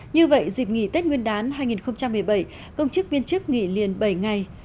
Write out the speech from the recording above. như vậy dịp nghỉ tết nguyên đán hai nghìn một mươi bảy công chức viên chức nghỉ liền bảy ngày